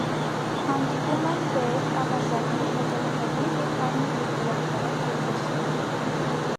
Հանդիպում են բեժ, ավազագույն, շագանակագույն և կարմիր նրբերանգներով պիֆոսներ։